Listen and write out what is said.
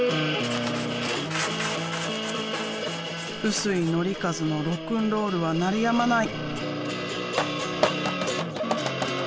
臼井紀和のロックンロールは鳴りやまない！